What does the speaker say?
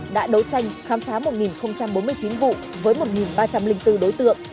đã đấu tranh khám phá một bốn mươi chín vụ với một ba trăm linh bốn đối tượng